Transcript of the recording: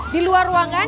di luar ruangan